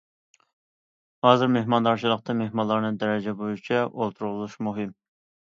ھازىر مېھماندارچىلىقتا مېھمانلارنى دەرىجە بويىچە ئولتۇرغۇزۇش مۇھىم.